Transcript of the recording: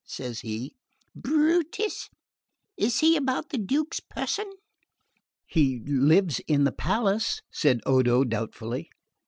says he. "Brutus? Is he about the Duke's person?" "He lives in the palace," said Odo doubtfully.